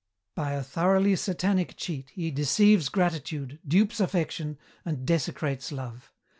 By a thoroughly Satanic cheat he deceives gratitude, dupes affection, and desecrates love.